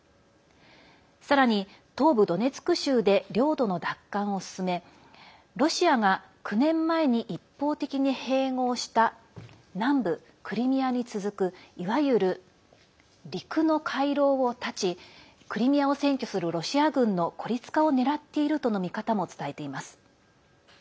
さらに、東部ドネツク州で領土の奪還を進めロシアが９年前に一方的に併合した南部クリミアに続くいわゆる陸の回廊を断ちクリミアを占拠するロシア軍の孤立化をねらっているとの見方も伝えています。